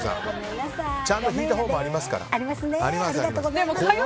ちゃんと引いたほうもありますから。